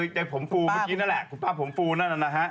ฉันชอบทุกคน